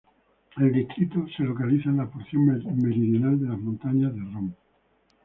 El distrito se localiza en la porción meridional de las Montañas de Rhön.